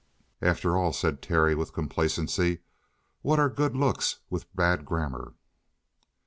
"After all," said Terry, with complacency, "what are good looks with bad grammar?"